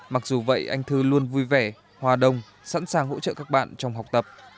mặc dù vậy anh thư luôn vui vẻ hòa đồng sẵn sàng hỗ trợ các bạn trong học tập